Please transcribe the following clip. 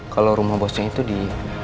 kalau rumah bosnya itu di